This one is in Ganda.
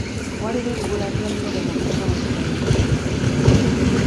Waliwo ebbula ly'emmere mu bitundu bino.